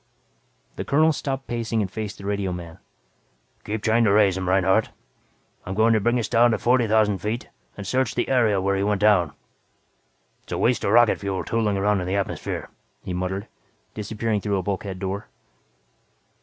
The colonel stopped pacing and faced the radioman. "Keep trying to raise him, Reinhardt. I'm going to bring us down to forty thousand feet and search the area where he went down. Helluva waste of rocket fuel tooling around in the atmosphere," he muttered, disappearing through a bulkhead door.